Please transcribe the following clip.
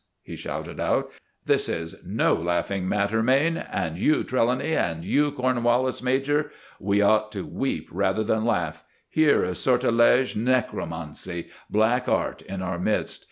he shouted out. "This is no laughing matter, Mayne; and you, Trelawny; and you, Cornwallis major. We ought to weep rather than laugh. Here is sortilege, necromancy, black art in our midst!